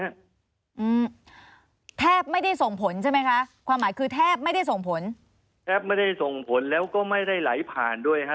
อืมแทบไม่ได้ส่งผลใช่ไหมคะความหมายคือแทบไม่ได้ส่งผลแทบไม่ได้ส่งผลแล้วก็ไม่ได้ไหลผ่านด้วยฮะ